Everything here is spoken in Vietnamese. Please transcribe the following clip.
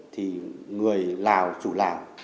thì người lào chủ lào